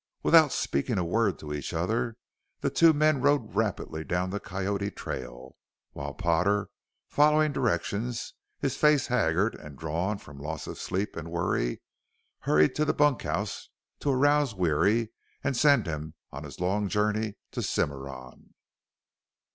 Without speaking a word to each other the two men rode rapidly down the Coyote trail, while Potter, following directions, his face haggard and drawn from loss of sleep and worry, hurried to the bunkhouse to arouse Weary and send him on his long journey to Cimarron.